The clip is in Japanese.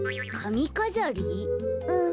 うん。